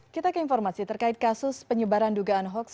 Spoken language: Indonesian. kita ke informasi terkait kasus penyebaran dugaan hoax